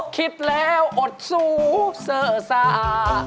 คิดแล้วอดสูจิเสออสะ